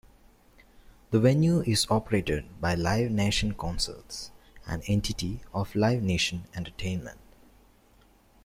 The venue is operated by Live Nation Concerts, an entity of Live Nation Entertainment.